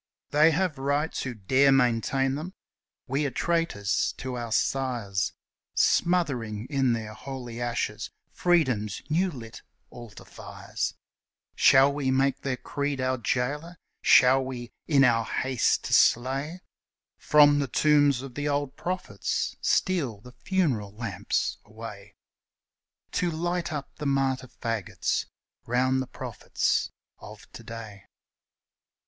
They have rights who dare maintain them; we are traitors to our sires, Smothering in their holy ashes Freedom's new lit altar fires; Shall we make their creed our jailer? Shall we, in our haste to slay, From the tombs of the old prophets steal the funeral lamps away To light up the martyr fagots round the prophets of to day?